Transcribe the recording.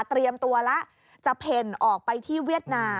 เตรียมตัวแล้วจะเพ่นออกไปที่เวียดนาม